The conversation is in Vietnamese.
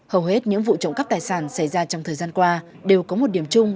hầu hết những vụ trộm cắp tài sản xảy ra trong thời gian qua đều có một điểm chung